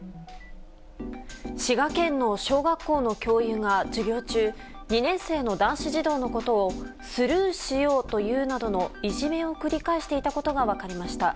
滋賀県の小学校の教諭が授業中２年生の男子児童のことをスルーしようと言うなどのいじめを繰り返していたことが分かりました。